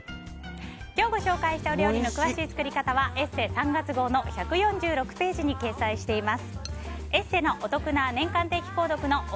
今日ご紹介した料理の詳しい作り方は「ＥＳＳＥ」３月号の１４６ページに掲載しています。